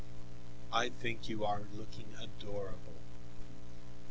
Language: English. "I think you are looking adorable."